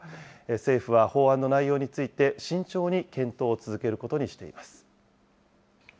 政府は法案の内容について慎重に検討を続けることにしています。